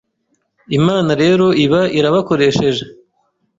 Imana rero iba irabakoresheje